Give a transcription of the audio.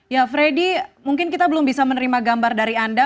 ya freddy mungkin kita belum bisa menerima gambar dari anda